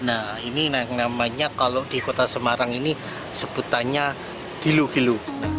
nah ini yang namanya kalau di kota semarang ini sebutannya gilo gilo